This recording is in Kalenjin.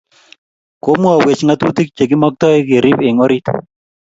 Komwowech ngatutik che kimaktoi kerib eng orit